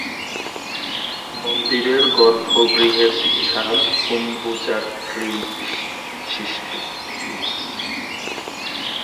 মন্দিরের গর্ভগৃহের ছাদ গম্বুজাকৃবিশিষ্ট।